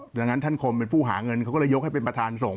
ดังนั้นท่านคมเป็นผู้หาเงินเขาก็เลยยกให้เป็นประธานส่ง